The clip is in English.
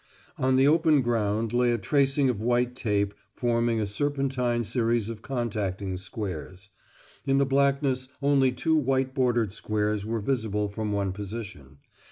On the open ground lay a tracing of white tape like this forming a serpentine series of contacting squares; in the blackness only two white bordered squares were visible from one position.